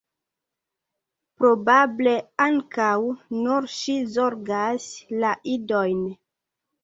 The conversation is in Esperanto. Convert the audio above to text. Probable ankaŭ nur ŝi zorgas la idojn.